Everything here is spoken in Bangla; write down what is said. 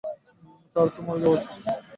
তার তো মরে যাওয়া উচিত ছিল।